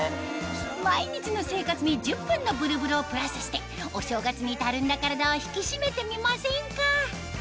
毎日の生活に１０分のブルブルをプラスしてお正月にたるんだ体を引き締めてみませんか？